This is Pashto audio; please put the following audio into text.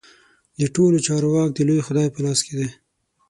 د ټولو چارو واک د لوی خدای په لاس کې دی.